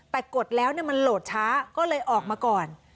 แต่กดแล้วมันโหลดช้าก็เลยออกมาก่อน